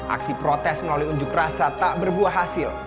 aksi protes melalui unjuk rasa tak berbuah hasil